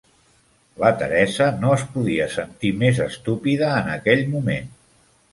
La Theresa no es podia sentir més estúpida en aquell moment.